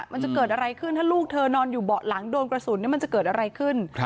มันจะเกิดอะไรขึ้นถ้าลูกเธอนอนอยู่เบาะหลังโดนกระสุนมันจะเกิดอะไรขึ้น